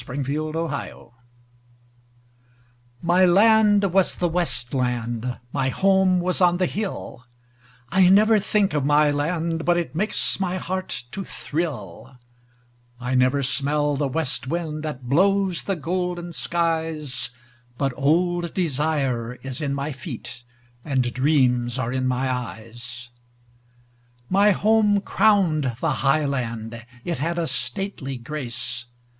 The Homeland MY land was the west land; my home was on the hill,I never think of my land but it makes my heart to thrill;I never smell the west wind that blows the golden skies, But old desire is in my feet and dreams are in my eyes.My home crowned the high land; it had a stately grace.